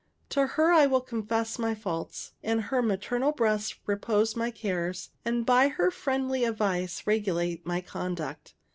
To her I will confess my faults, in her maternal breast repose my cares, and by her friendly advice regulate my conduct.